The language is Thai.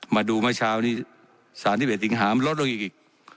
มาดูเมื่อเช้านี้สารที่๑๙สิงหามันลดลงเรื่อย